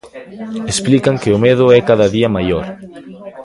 Explican que o medo é cada día maior.